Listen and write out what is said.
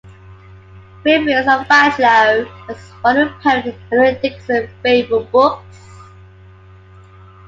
"Reveries of a Bachelor" was one of poet Emily Dickinson's favorite books.